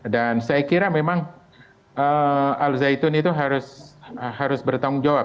dan saya kira memang alzeitun itu harus bertanggung jawab